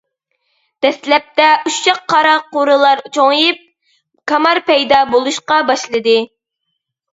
دەسلەپتە ئۇششاق قارا قۇرىلار چوڭىيىپ كامار پەيدا بولۇشقا باشلىدى.